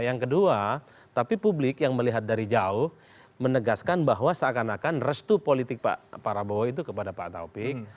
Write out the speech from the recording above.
yang kedua tapi publik yang melihat dari jauh menegaskan bahwa seakan akan restu politik pak prabowo itu kepada pak taufik